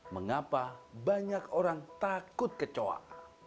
mengapa banyak orang takut kecoa